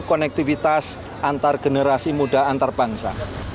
konektivitas antargenerasi muda antarbangsa